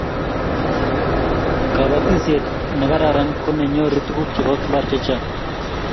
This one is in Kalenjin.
kabatishiet ne kararan ko ne nyorun tuguk chebo mbar chechang